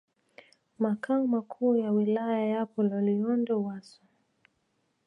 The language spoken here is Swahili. Makao Makuu ya Wilaya yapo Loliondo Wasso